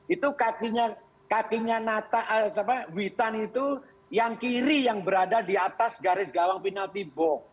itu kakinya nata witan itu yang kiri yang berada di atas garis gawang penalti bo